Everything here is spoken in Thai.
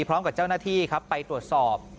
พร้อมกับเจ้าหน้าที่ครับไปตรวจสอบ